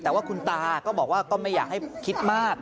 แต่ว่าคุณตาก็บอกว่าก็ไม่อยากให้คิดมาก